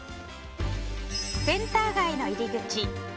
センター街の入り口